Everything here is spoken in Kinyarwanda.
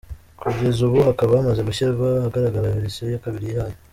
Kugeza ubu hakaba hamaze gushyirwa ahagaragara verisiyo ya kabiri yayo.